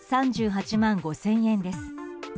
３８万５０００円です。